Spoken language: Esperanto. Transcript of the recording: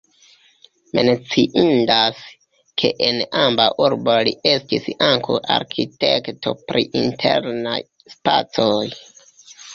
Menciindas, ke en ambaŭ urboj li estis ankaŭ arkitekto pri internaj spacoj.